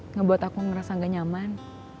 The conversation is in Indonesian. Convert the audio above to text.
ngebuat aku merasa gak nyaman